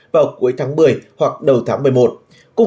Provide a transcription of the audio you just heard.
vào cuối tháng một mươi hoặc đầu tháng một mươi một